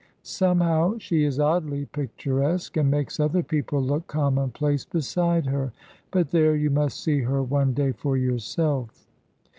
Somehow she is oddly picturesque, and makes other people look commonplace beside her. But there, you must see her one day for yourself."